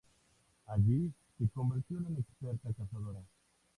Allí se convirtió en una experta cazadora.